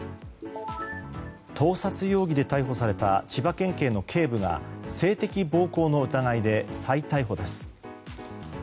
盗撮容疑で逮捕された千葉県警の警部が性的暴行の疑いで再逮捕です。